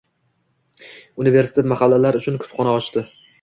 Universitet mahallalar uchun kutubxona ochdi